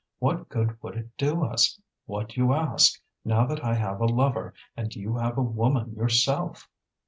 What good would it do us, what you ask, now that I have a lover and you have a woman yourself?"